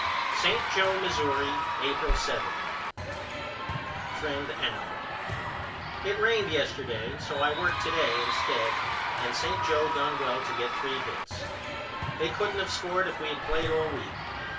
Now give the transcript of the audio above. St. Joe, Missouri, April 7. FRIEND AL: It rained yesterday so I worked to day instead and St. Joe done well to get three hits. They couldn't of scored if we had played all week.